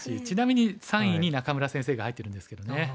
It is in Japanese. ちなみに３位に仲邑先生が入ってるんですけどね。